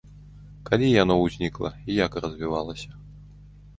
Калі яно ўзнікла і як развівалася?